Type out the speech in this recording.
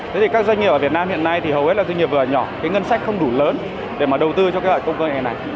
thế thì các doanh nghiệp ở việt nam hiện nay thì hầu hết là doanh nghiệp vừa nhỏ cái ngân sách không đủ lớn để mà đầu tư cho cái loại công nghệ này